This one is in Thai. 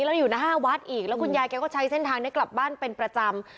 แล้วอยู่หน้าวัดอีกแล้วคุณยายแกก็ใช้เส้นทางนี้กลับบ้านเป็นประจำ